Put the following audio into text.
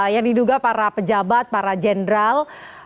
yang diduga para pejabat para jenderal